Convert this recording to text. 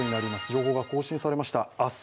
情報が更新されました。